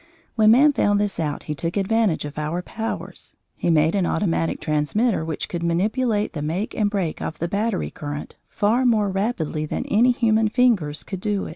When man found this out he took advantage of our powers. He made an automatic transmitter which could manipulate the make and break of the battery current far more rapidly than any human fingers could do.